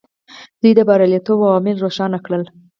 دوی د بریالیتوب عوامل روښانه کړل.